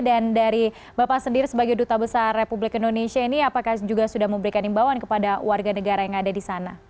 dan dari bapak sendiri sebagai duta besar republik indonesia ini apakah juga sudah memberikan himbawan kepada warga negara yang ada di sana